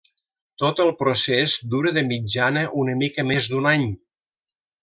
Tot el procés dura de mitjana una mica més d'un any.